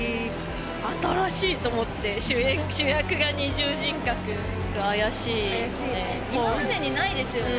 新しいと思って主役が二重人格怪しいよね